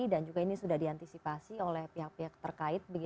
dan juga ini sudah diantisipasi oleh pihak pihak terkait